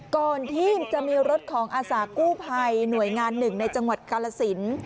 ก่อนที่จะมีรถของอาศากู้ภัยหน่วยงาน๑ในจังหวัดกาลาศิลป์